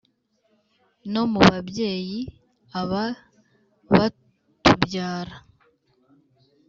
no mubabyeyi aba batubyara